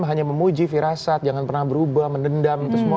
hanya memuji firasat jangan pernah berubah menendam